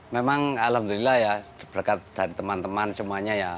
memang alhamdulillah ya berkat dari teman teman semuanya ya